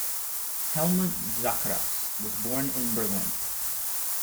Helmut Zacharias was born in Berlin.